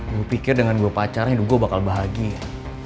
gue pikir dengan gue pacarnya gue bakal bahagia